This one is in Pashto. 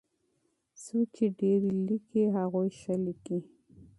څوک چې ډېر ليکي هغوی ښه ليکي.